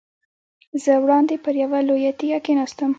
زه وړاندې پر یوه لویه تیږه کېناستم.